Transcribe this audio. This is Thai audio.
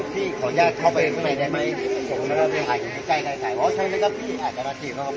สวัสดีครับพี่เบนสวัสดีครับ